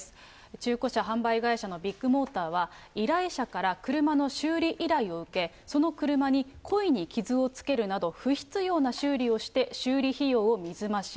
中古車販売会社のビッグモーターは、依頼者から車の修理依頼を受け、その車に故意に傷をつけるなど、不必要な修理をして修理費用を水増し。